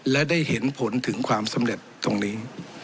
และได้เห็นผลถึงความสำเร็จตรงนี้